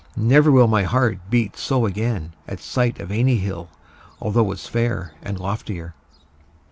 Never will My heart beat so again at sight Of any hill although as fair And loftier.